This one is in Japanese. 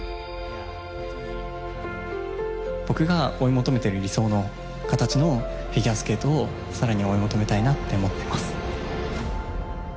僕が追い求めてる理想の形のフィギュアスケートを更に追い求めたいなって思ってます。